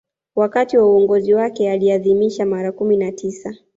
Wakati wa uongozi wake aliadhimisha mara kumi na tisa